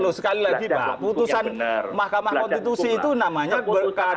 loh sekali lagi pak putusan mahkamah konstitusi itu namanya berkada